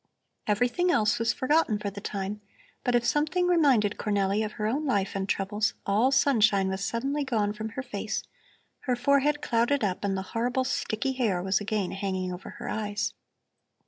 Everything else was forgotten for the time; but if something reminded Cornelli of her own life and troubles, all sunshine was suddenly gone from her face, her forehead clouded up, and the horrible sticky hair was again hanging over her eyes.